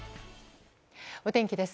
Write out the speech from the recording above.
お天気です。